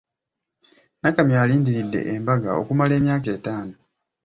Nakamya alindiridde embaga okumala emyaka etaano.